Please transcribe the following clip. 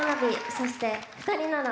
そして、「二人なら」